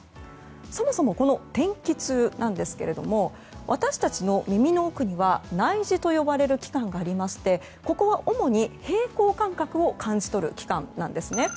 そもそも、この天気痛は私たちの耳の奥には内耳と呼ばれる器官がありましてここは主に平衡感覚を感じ取る器官なんですね。